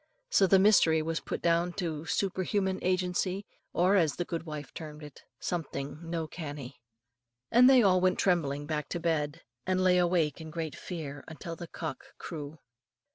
So the mystery was put down to super human agency, or, as the good wife termed it, "something no canny;" and they all went trembling back to bed, and lay awake in great fear till the cock crew.